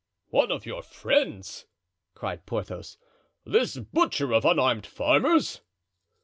"One of your friends!" cried Porthos, "this butcher of unarmed farmers!"